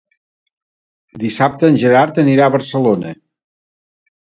Dissabte en Gerard anirà a Barcelona.